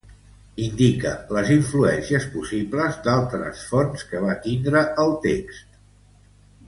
Indica les influències possibles d'altres fonts que va tindre el text.